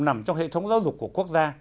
nằm trong hệ thống giáo dục của quốc gia